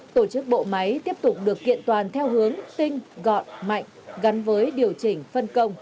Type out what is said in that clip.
tổ chức bộ máy tiếp tục được kiện toàn theo hướng tinh gọn mạnh gắn với điều chỉnh phân công